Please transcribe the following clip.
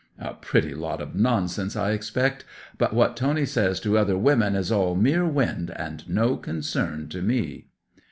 A pretty lot of nonsense, I expect! But what Tony says to other women is all mere wind, and no concern to me!"